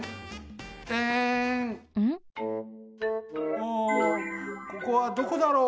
あここはどこだろう？